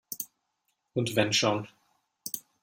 Und wenn schon!